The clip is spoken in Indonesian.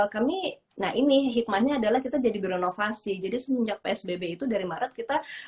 kami nah ini hikmahnya adalah kita jadi berinovasi jadinya psbb itu dari maret kita